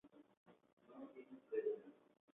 No tiene predela.